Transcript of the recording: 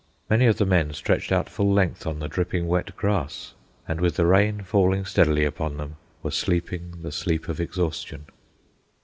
Many of the men stretched out full length on the dripping wet grass, and, with the rain falling steadily upon them, were sleeping the sleep of exhaustion.